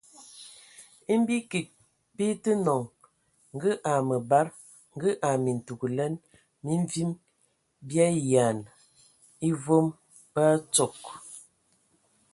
E bi kig bə tə nɔŋ ngə a məbad, ngə a mintugəlɛn, mi mvim bi ayiɛnə e vom bə atsog.